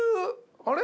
あれ？